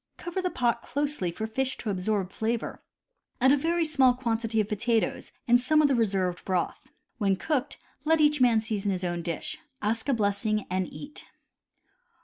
Cover the pot closely for fish to absorb flavor. Add a very small quantity of potatoes, and some of the reserved broth. When cooked, let each man season his own dish. Ask a blessing and eat.